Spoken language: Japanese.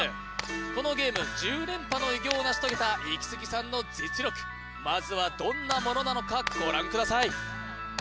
このゲーム１０連覇の偉業を成し遂げたイキスギさんの実力まずはどんなものなのかご覧ください